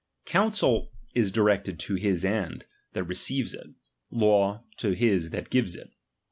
Counsel is directed to his end, that re ceives it ; law, to his that gives it.